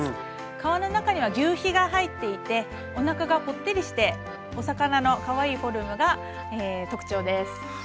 皮の中にはぎゅうひが入っていておなかがぽってりしてお魚のかわいいフォルムが特徴です。